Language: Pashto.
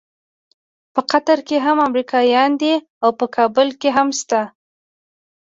په قطر کې هم امریکایان دي او په کابل کې هم شته.